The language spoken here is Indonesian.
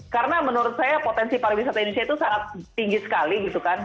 karena menurut saya potensi pariwisata indonesia itu sangat tinggi sekali gitu kan